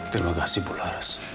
terima kasih bularas